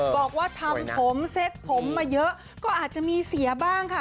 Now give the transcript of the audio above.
บอกว่าทำผมเซ็ตผมมาเยอะก็อาจจะมีเสียบ้างค่ะ